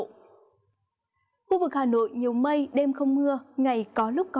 khu vực hà nội nhiều mây đêm không mưa ngày có lúc cấp